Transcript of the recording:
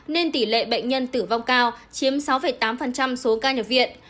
nên tỷ lệ bệnh nhân tử vong cao chiếm sáu tám số ca nhập viện